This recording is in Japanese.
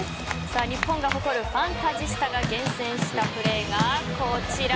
日本が誇るファンタジスタが厳選したプレーがこちら。